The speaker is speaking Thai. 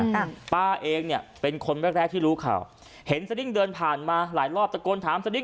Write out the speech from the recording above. อ่าป้าเองเนี้ยเป็นคนแรกแรกที่รู้ข่าวเห็นสดิ้งเดินผ่านมาหลายรอบตะโกนถามสดิ้ง